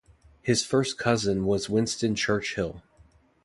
His first cousin was Winston Churchill.